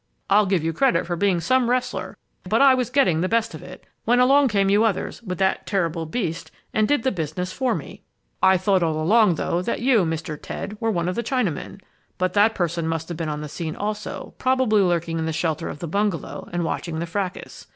I'll give you credit for being some wrestler, but I was getting the best of it, when along came you others with that terrible beast and did the business for me! "I thought all along, though, that you, Mr. Ted, were one of the Chinamen. But that person must have been on the scene also, probably lurking in the shelter of the bungalow and watching the fracas.